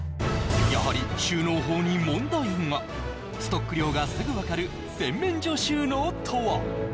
やはり収納法に問題がストック量がすぐ分かる洗面所収納とは？